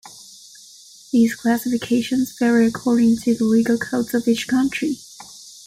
These classifications vary according to the legal codes of each country.